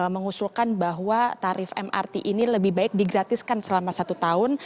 mengusulkan bahwa tarif mrt ini lebih baik digratiskan selama satu tahun